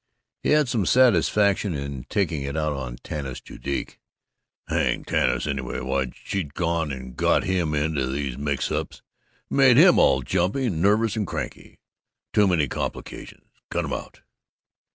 He had some satisfaction in taking it out on Tanis Judique. "Hang Tanis anyway! Why'd she gone and got him into these mix ups and made him all jumpy and nervous and cranky? Too many complications! Cut 'em out!"